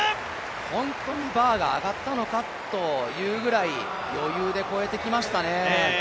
本当にバーが上がったのかというぐらい余裕で越えてきましたね。